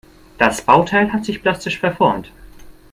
Das Bauteil hat sich plastisch verformt.